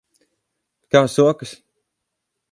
Kā sokas?